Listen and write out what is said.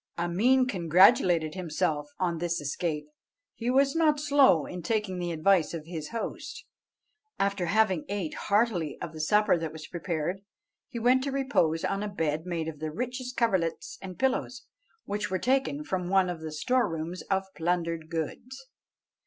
Ameen congratulated himself on this escape, and was not slow in taking the advice of his host. After having ate heartily of the supper that was prepared, he went to repose on a bed made of the richest coverlets and pillows, which were taken from one of the store rooms of plundered goods.